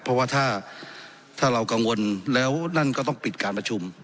เพราะว่าถ้าเรากังวลแล้วนั่นก็ต้องปิดการประชุม